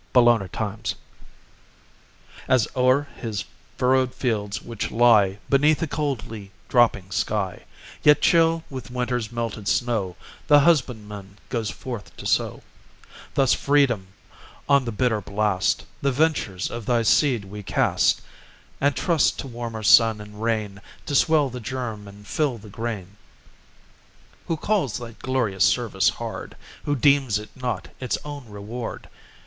SEED TIME AND HARVEST As o'er his furrowed fields which lie Beneath a coldly dropping sky, Yet chill with winter's melted snow, The husbandman goes forth to sow, Thus, Freedom, on the bitter blast The ventures of thy seed we cast, And trust to warmer sun and rain To swell the germ, and fill the grain. Who calls thy glorious service hard? Who deems it not its own reward?